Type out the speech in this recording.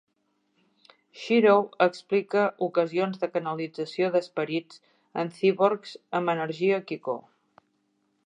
Shirow explica ocasions de canalització d'esperits en cyborgs amb energia kiko.